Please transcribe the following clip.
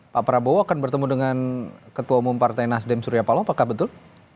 pak prabowo akan bertemu dengan ketua umum partai nasdem surya paloh apakah betul